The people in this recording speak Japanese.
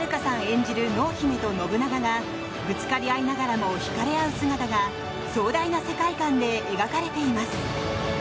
演じる濃姫と信長がぶつかり合いながらも引かれ合う姿が壮大な世界観で描かれています。